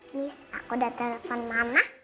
miss aku udah telepon mama